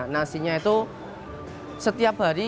nasinya itu setiap hari